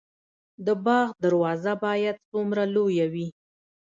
د باغ دروازه باید څومره لویه وي؟